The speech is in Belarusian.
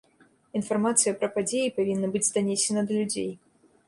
Інфармацыя пра падзеі павінна быць данесена да людзей.